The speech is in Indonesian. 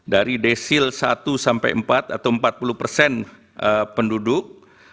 dari desil satu sampai empat atau empat puluh persen penduduk